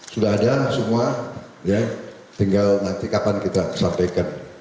sudah ada semua tinggal nanti kapan kita sampaikan